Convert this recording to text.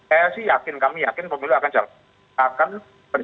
eh sih yakin kami yakin pemilu akan jalan sesuai dengan jadwal jadwal